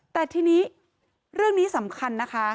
แต่ทีนี้เรื่องนี้สำคัญนะคะ